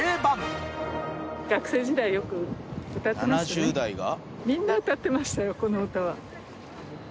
７０代が？